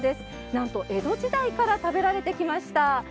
なんと、江戸時代から食べられてきました。